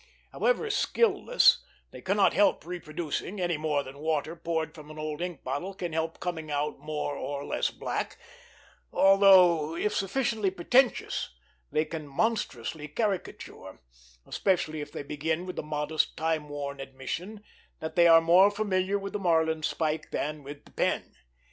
However skilless, they cannot help reproducing, any more than water poured from an old ink bottle can help coming out more or less black; although, if sufficiently pretentious, they can monstrously caricature, especially if they begin with the modest time worn admission that they are more familiar with the marling spike than with the pen.